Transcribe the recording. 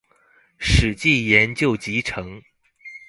史記研究集成